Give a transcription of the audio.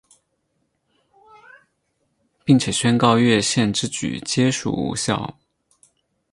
并且宣告越线之举皆属无效。